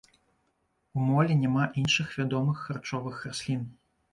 У молі няма іншых вядомых харчовых раслін.